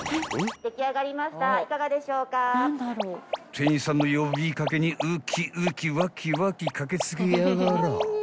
［店員さんの呼び掛けにウキウキワキワキ駆け付けやがらぁ］